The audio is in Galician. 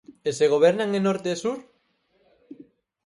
E se gobernan en Norte e Sur?